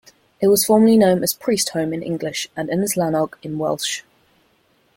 It was formerly known as Priestholm in English and Ynys Lannog in Welsh.